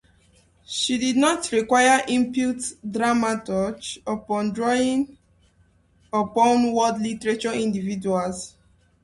She did not require input dramaturge upon drawing upon world literature individuals.